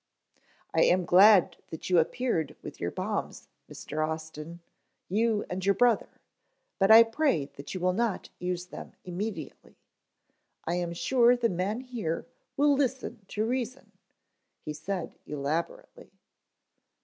"I am glad that you appeared with your bombs, Mr. Austin, you and your brother, but I pray that you will not use them immediately. I am sure the men here will listen to reason," he said elaborately.